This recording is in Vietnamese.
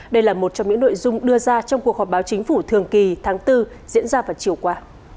đây là một trong những nội dung đưa ra trong cuộc họp báo chính phủ thường kỳ tháng bốn diễn ra vào chiều qua